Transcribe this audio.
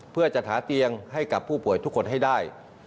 เพื่อจัดหาเตียงให้กับผู้ป่วยทุกคนให้ได้